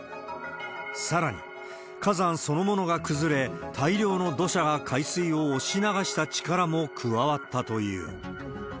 さらに、火山そのものが崩れ、大量の土砂が海水を押し流した力も加わったという。